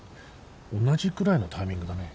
同じくらいのタイミングだね。